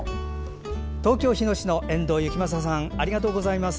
東京都日野市の遠藤幸政さんありがとうございます。